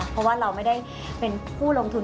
เพราะว่าเราไม่ได้เป็นผู้ลงทุน